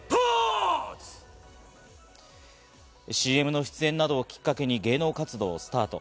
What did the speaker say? ＣＭの出演などをきっかけに芸能活動をスタート。